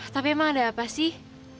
tapi emang ada apa sih